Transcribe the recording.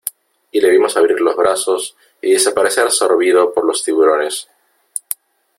y le vimos abrir los brazos y desaparecer sorbido por los tiburones .